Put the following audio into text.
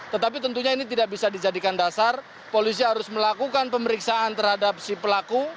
tetapi tentunya ini tidak bisa dijadikan dasar polisi harus melakukan pemeriksaan terhadap si pelaku